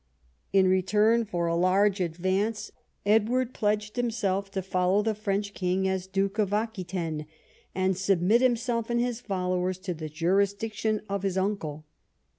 In return for a large advance, Edward pledged himself to follow the French king as Duke of Aquitaine, and submit himself and his followers to the jurisdiction of his uncle.